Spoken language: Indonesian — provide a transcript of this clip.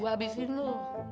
gua habisin lu